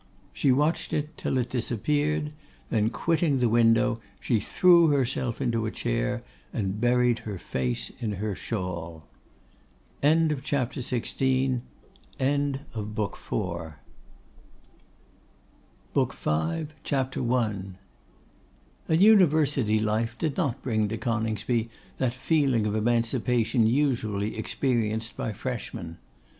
She watched it till it disappeared; then quitting the window, she threw herself into a chair, and buried her face in her shawl. END OF BOOK IV. BOOK V. CHAPTER I. An University life did not bring to Coningsby that feeling of emancipation usually experienced by freshmen.